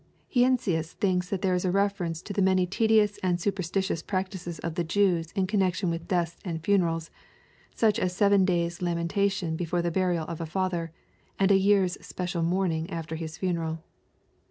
Heinsius thinks that there is a reference to the many tedious and superstitious practices of the Jews in connection with deaths and funerals, such as a ar.ven days' lamentation before the burial of a father, and a year's special moaming after his funeral.